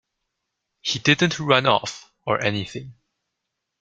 He didn't run off, or anything.